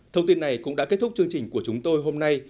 thông tin này cũng đã kết thúc chương trình của chúng tôi hôm nay